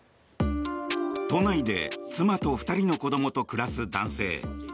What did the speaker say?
都内で妻と２人の子どもと暮らす男性。